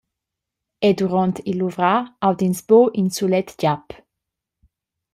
Era duront il luvrar aud’ins buc in sulet giap.